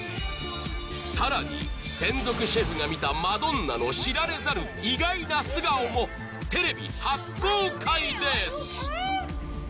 更に専属シェフが見たマドンナの知られざる意外な素顔もテレビ初公開です